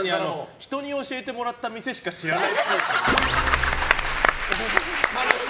人に教えてもらったのしか知らない。